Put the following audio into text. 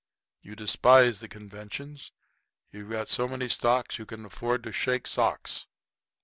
You despise the conventions. You've got so many stocks you can afford to shake socks.